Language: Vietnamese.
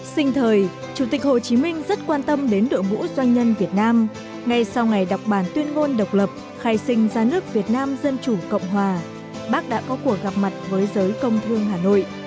sinh thời chủ tịch hồ chí minh rất quan tâm đến đội ngũ doanh nhân việt nam ngay sau ngày đọc bản tuyên ngôn độc lập khai sinh ra nước việt nam dân chủ cộng hòa bác đã có cuộc gặp mặt với giới công thương hà nội